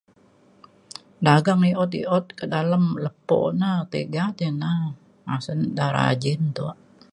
Dagang i’ut i’ut kak dalem lepo na tiga te na asen da rajin tuak.